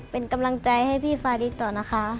เป็นกำลังใจให้พี่ฟาริสต่อนะคะ